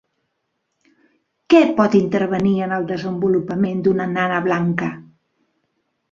Què pot intervenir en el desenvolupament d'una nana blanca?